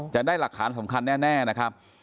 จะได้หลักฐานสำคัญแน่นะครับ